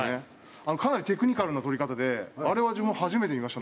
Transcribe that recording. かなりテクニカルな撮り方であれは自分も初めて見ました。